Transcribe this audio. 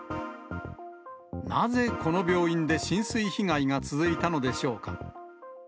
なぜこの病院で浸水被害が続いたのでしょうか。